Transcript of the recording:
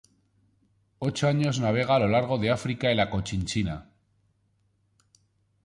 Ocho años navega a lo largo de África y la Cochinchina.